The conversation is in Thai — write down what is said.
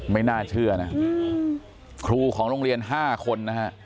ไม่น่าเชื่อนะครูของโรงเรียน๕คนนะฮะ